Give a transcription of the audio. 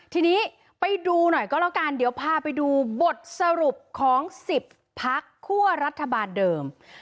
ทีนี้ไปดูหน่อยก็แล้วกันเดี๋ยวพาไปดูบทสรุปของ๑๐พักคั่วรัฐบาลเดิม